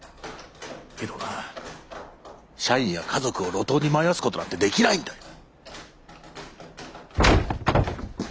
けどな社員や家族を路頭に迷わすことなんてできないんだよ。